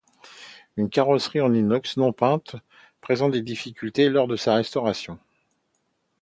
Une carrosserie en inox non peinte présente des difficultés lors de sa restauration.